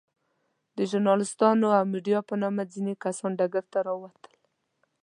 د ژورناليستانو او ميډيا په نامه ځينې کسان ډګر ته راووتل.